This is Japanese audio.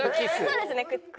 そうですね口。